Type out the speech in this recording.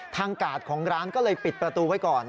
กาดของร้านก็เลยปิดประตูไว้ก่อน